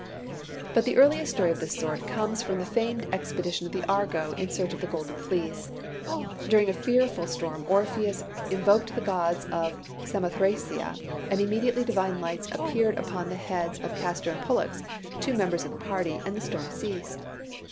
But the earliest story of this sort comes from the famed expedition of the Argo, in search of the Golden Fleece. During a fearful storm Orpheus invoked the gods of Samothracia; and immediately divine lights appeared upon the heads of Castor and Pollux, two members of the party, and the storm ceased.